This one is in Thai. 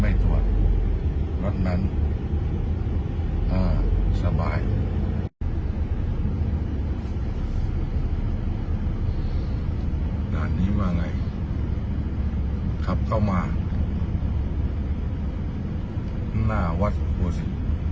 มาดีกว่าแม่งนี่จะขอบคุณอีกยิ่งช่ะพี่นายช่างไว้สิ